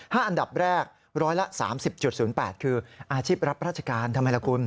ห้าอันดับแรกร้อยละ๓๐๐๘คืออาชีพรับราชการทำไมล่ะคุณ